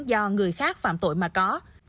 do người khác phạm tội mà có